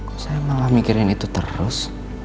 kok saya malah mikirin itu terus